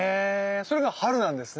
それが春なんですね？